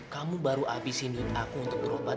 kamu baru habisin aku untuk berobat